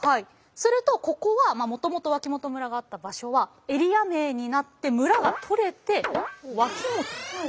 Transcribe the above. するとここはもともと脇本村があった場所はエリア名になって村が取れて脇本に。